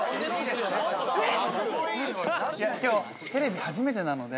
今日テレビ初めてなので。